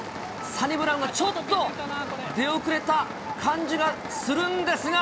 サニブラウンがちょっと出遅れた感じがするんですが。